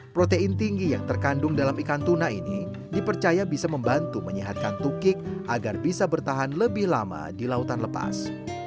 protein tinggi yang terkandung dalam ikan tuna ini dipercaya bisa membantu menyehatkan tukik agar bisa bertahan lebih lama di lautan lepas